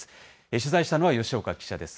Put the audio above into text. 取材したのは吉岡記者です。